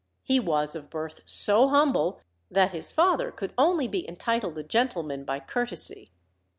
He was of birth so humble that his father could only be entitled a gentleman by courtesy.